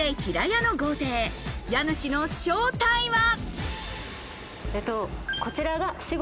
家主の正体は？